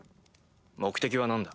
目的は何だ？